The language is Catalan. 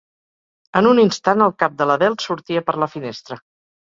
En un instant el cap de l'Adele sortia per la finestra.